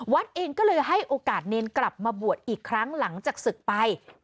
เองก็เลยให้โอกาสเนรกลับมาบวชอีกครั้งหลังจากศึกไป